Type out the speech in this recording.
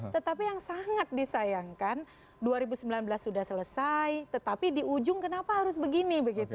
tetapi yang sangat disayangkan dua ribu sembilan belas sudah selesai tetapi di ujung kenapa harus begini begitu